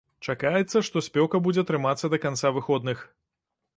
Чакаецца, што спёка будзе трымацца да канца выходных.